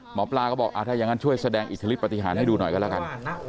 หมอปลาก็บอกถ้าอย่างนั้นช่วยแสดงอิทธิฤทธปฏิหารให้ดูหน่อยก็แล้วกัน